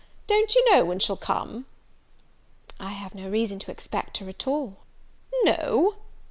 Don't you know when she'll come?" "I have no reason to expect her at all." "No!